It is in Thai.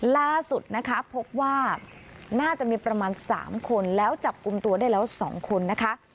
ล่าสุดนะคะพบว่าน่าจะมีประมาณ๓คนแล้วจับกลุ่มตัวได้แล้ว๒คนนะคะ